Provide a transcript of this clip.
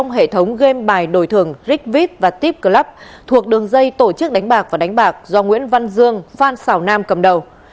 hệ thống game bài đổi thường rig vip và tip club thuộc đường dây tổ chức đánh bạc và đánh bạc do nguyễn văn dương phan xào nam cầm đầu